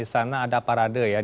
di sana ada parade ya